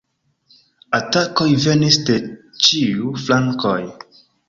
Atakoj venis de ĉiuj flankoj.